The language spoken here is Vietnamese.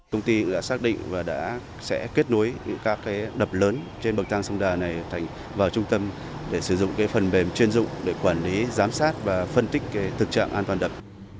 các đập lớn trên bậc tăng sông đà này thành vào trung tâm để sử dụng phần mềm chuyên dụng để quản lý giám sát và phân tích thực trạng an toàn đập